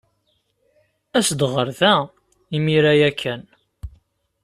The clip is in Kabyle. As-d ɣer da imir-a ya kan.